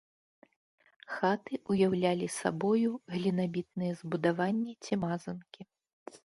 Хаты ўяўлялі сабою глінабітныя збудаванні ці мазанкі.